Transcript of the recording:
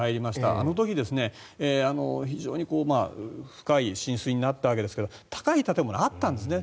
あの時、非常に深い浸水になったわけですが高い建物あったんですね。